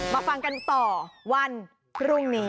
มาฟังกันต่อวันพรุ่งนี้